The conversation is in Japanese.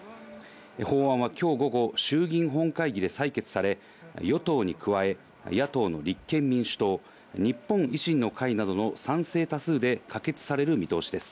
法案は今日午後、衆議院本会議で採決され、与党に加え、野党の立憲民主党、日本維新の会などの賛成多数で可決される見通しです。